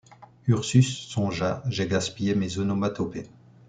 Ursus songea: — J’ai gaspillé mes onomatopées.